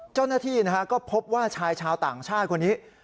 เจ้าหน้าที่ก็พบว่าชายชาวต่างชาติคนนี้